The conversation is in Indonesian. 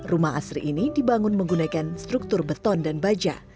rumah asri ini dibangun menggunakan struktur beton dan baja